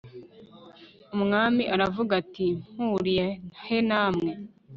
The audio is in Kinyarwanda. umwami aravuga ati mpuriye he namwe